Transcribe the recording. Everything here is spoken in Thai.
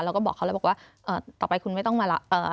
เราก็บอกเขาต่อไปคุณไม่ต้องมารับ